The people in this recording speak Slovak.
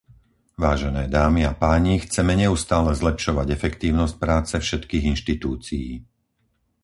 Vážené dámy a páni, chceme neustále zlepšovať efektívnosť práce všetkých inštitúcií.